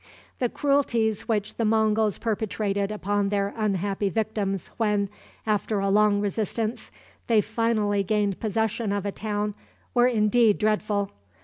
The cruelties which the Monguls perpetrated upon their unhappy victims when, after a long resistance, they finally gained possession of a town, were indeed dreadful.